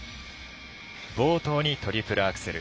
冒頭にトリプルアクセル。